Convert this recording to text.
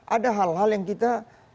ada hal hal yang kita